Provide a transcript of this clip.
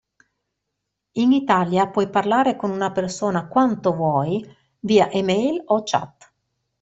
In Italia puoi parlare con una persona quanto vuoi via e-mail o chat.